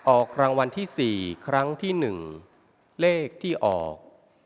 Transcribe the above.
ออกรางวัลที่๔ครั้งที่๑เลขที่ออก